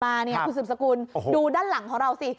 เนี่ยคุณสืบสกุลดูด้านหลังของเราสิ